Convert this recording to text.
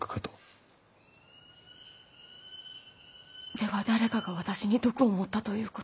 では誰かが私に毒を盛ったということか。